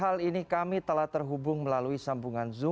selamat pagi bu retno